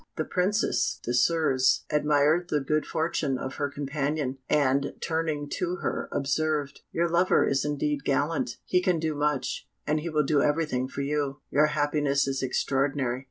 The Princess Désirs admired the good fortune of her companion, and, turning to her, observed, "Your lover is indeed gallant; he can do much, and he will do everything for you; your happiness is extraordinary."